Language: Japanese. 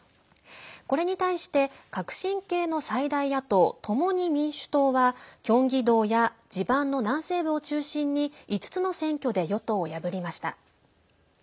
これに対して革新系の最大野党共に民主党はキョンギ道や地盤の南西部を中心に５つの選挙で与党を破りました。